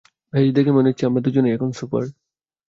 বেশ, দেখে মনে হচ্ছে আমরা দুজনেই এখন সুপার।